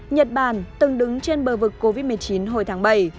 nhật bản từng đứng trên bờ vực covid một mươi chín hồi tháng bảy